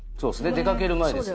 出掛ける前ですね。